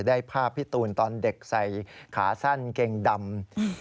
ได้ภาพพี่ตูนตอนเด็กใส่ขาสั้นเกงดำ